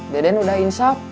deden udah insap